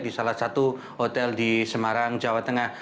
di salah satu hotel di semarang jawa tengah